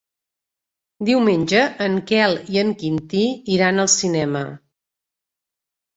Diumenge en Quel i en Quintí iran al cinema.